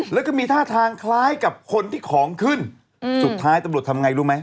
แล้วก็มีท่าทางคล้ายกับคนที่ของขึ้นสุดท้ายตำรวจทำไงรู้ไหม